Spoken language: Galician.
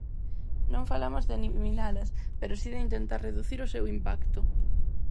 Non falamos de eliminalas pero si de intentar reducir o seu impacto.